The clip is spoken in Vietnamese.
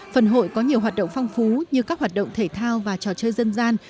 phần hội có nhiều hoạt động phong phú như các hoạt động thể thao và trò chơi dân gian